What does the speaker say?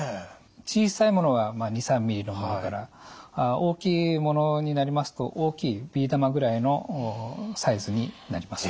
小さいものが２３ｍｍのものから大きいものになりますと大きいビー玉ぐらいのサイズになります。